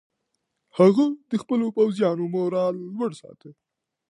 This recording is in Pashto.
هغه د خپلو پوځیانو مورال لوړ ساته.